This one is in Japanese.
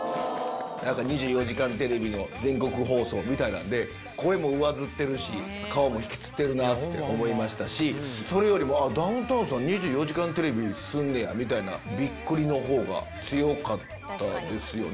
なんか２４時間テレビの全国放送みたいなんで、声もうわずってるし、顔もひきつってるなって思いましたし、それよりもダウンタウンさん、２４時間テレビすんねやみたいな、びっくりのほうが強かったですよね。